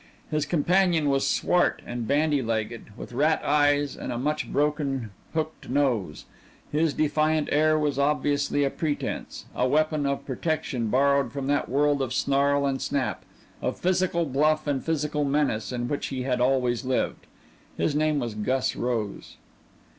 His companion was swart and bandy legged, with rat eyes and a much broken hooked nose. His defiant air was obviously a pretense, a weapon of protection borrowed from that world of snarl and snap, of physical bluff and physical menace, in which he had always lived. His name was Gus Rose.